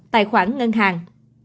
tài khoản ngân hàng